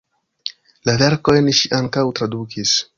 La verkojn ŝi ankaŭ tradukis.